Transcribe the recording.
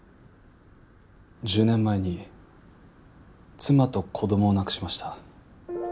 １０年前に妻と子供を亡くしました。